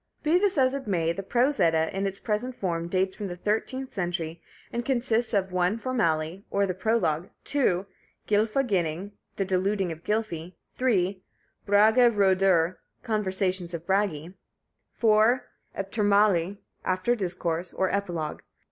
Be this as it may, the Prose Edda, in its present form, dates from the thirteenth century, and consists of 1. Formali (Fore discourse); or the prologue. 2. Gylfa ginning (The deluding of Gylfi). 3. Braga roedur (Conversations of Bragi). 4. Eptirmali (After discourse); or Epilogue.